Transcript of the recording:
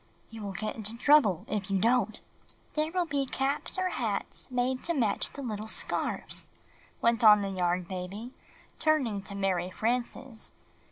"You will get into trouble if you don't!" "There will be caps or hats made to match the little scarfs/' went on the Yarn Baby, turning to Mary Frances.